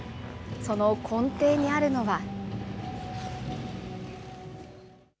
その根底にあるのは。